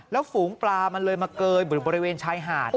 แล้วฝูงปลามันเลยมาเกยบริเวณชายหาด